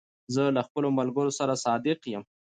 زه له خپلو ملګرو سره صادق یم.